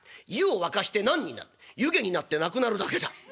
湯気になってなくなるだけだ。